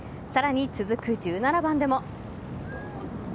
さらに続く１７番でも。